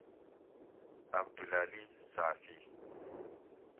عبدالعلی صافی